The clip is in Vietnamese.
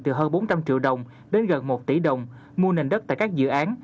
từ hơn bốn trăm linh triệu đồng đến gần một tỷ đồng mua nền đất tại các dự án